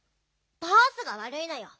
バースがわるいのよ。